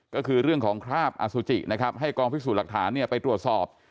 ก็คือเรื่องของคราบอสุจินะครับให้กองพิสูจน์หลักฐานไปตรวจสอบ